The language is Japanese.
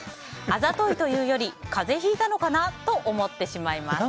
あざといというより風邪ひいたのかな？と思ってしまいます。